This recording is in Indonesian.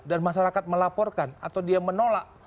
dan masyarakat melaporkan atau dia menolak